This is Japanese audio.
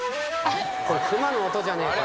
これ熊の音じゃねえか？